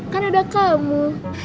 kan ada kamu